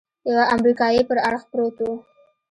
يوه امريکايي پر اړخ پروت و.